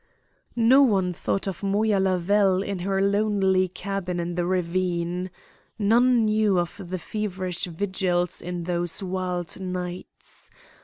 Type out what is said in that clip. No one thought of Moya Lavelle in her lonely cabin in the ravine. None knew of the feverish vigils in those wild nights.